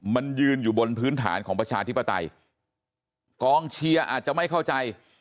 มันยืนอยู่บนพื้นฐานของประชาธิปไตยกองเชียร์อาจจะไม่เข้าใจ